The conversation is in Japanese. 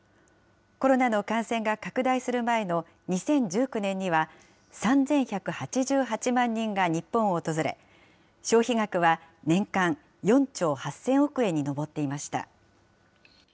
コロナの感染が拡大する前の、２０１９年には３１８８万人が日本を訪れ、消費額は年間４兆８０００億円に上っていました。